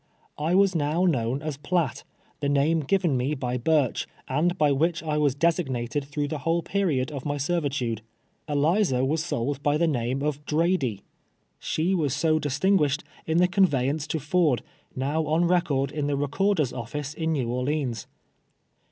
I was now known as PLatt, the name given me by Burcli, and by which I "was designated through the whole period of my ser vitude. Eliza was sold by the name of " Dradey." She was so distinguished in the conveyance to Ford, now on record in the recorder's office in ISTew Or leans.